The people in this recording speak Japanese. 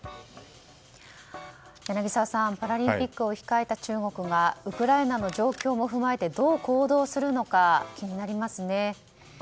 柳澤さん、パラリンピックを控えた中国がウクライナの状況も踏まえてどう行動するのか気になりますね。